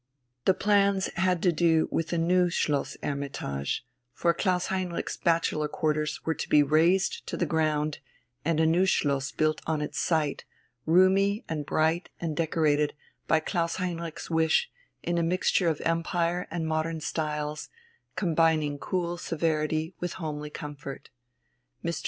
The plans had to do with the new Schloss "Hermitage," for Klaus Heinrich's bachelor quarters were to be razed to the ground, and a new Schloss built on its site, roomy and bright and decorated, by Klaus Heinrich's wish, in a mixture of Empire and modern styles, combining cool severity with homely comfort. Mr.